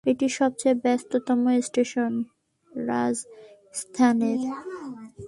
এটি সবচেয়ে ব্যস্ততম স্টেশন রাজস্থানের।